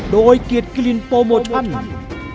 โดยเกียรติกิลินโปรโมชั่น